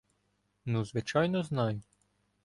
— Ну звичайно знаю!